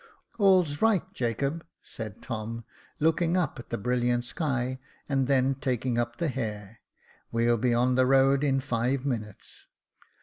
" All's right, Jacob," said Tom, looking up at the brilliant sky, and then taking up the hare, " we'll be on the road in five minutes."